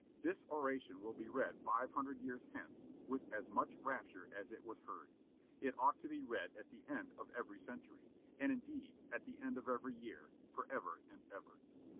This oration will be read five hundred years hence with as much rapture as it was heard. It ought to be read at the end of every century, and indeed at the end of every year, forever and ever."